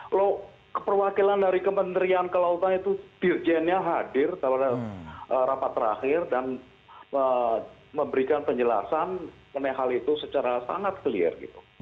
kalau keperwakilan dari kementerian kelautan itu dirjennya hadir dalam rapat terakhir dan memberikan penjelasan mengenai hal itu secara sangat clear gitu